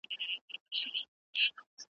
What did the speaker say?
وږی نس دي له وښو څخه محروم دی ,